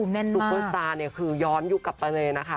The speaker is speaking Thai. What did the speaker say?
นั่นคือย้อนยุคกับประเมรินนะคะ